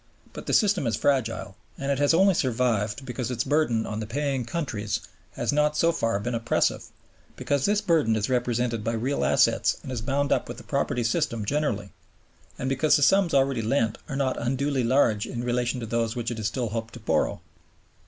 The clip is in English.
But the system is fragile; and it has only survived because its burden on the paying countries has not so far been oppressive, because this burden is represented by real assets and is bound up with the property system generally, and because the sums already lent are not unduly large in relation to those which it is still hoped to borrow.